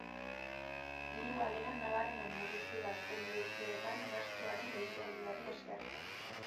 Diru-galera nabarmen murriztu da azken bi urteetan gastuaren geldialdiari esker.